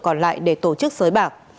còn lại để tổ chức sới bạc